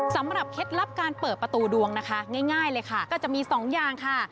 เคล็ดลับการเปิดประตูดวงนะคะง่ายเลยค่ะก็จะมีสองอย่างค่ะ